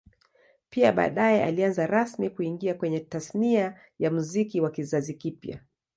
Pia baadae alianza rasmi kuingia kwenye Tasnia ya Muziki wa kizazi kipya